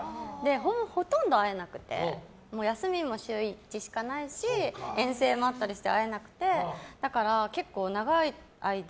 ほとんど会えなくて休みも週１しかないし遠征もあったりして会えなくて、だから結構長い間